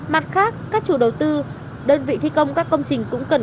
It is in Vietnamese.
mặt khác các chủ đầu tư đơn vị thi công các công trình cũng cần